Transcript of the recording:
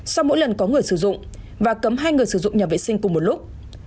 sau mỗi lần có người sử dụng và cấm hai người sử dụng nhà vệ sinh cùng một lúc